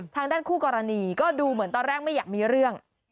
ทางด้านคู่กรณีก็ดูเหมือนตอนแรกไม่อยากมีเรื่อง